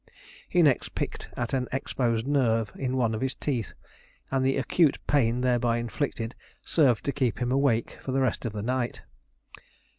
He next picked at an exposed nerve in one of his teeth, and the acute pain thereby inflicted served to keep him awake for the rest of the night.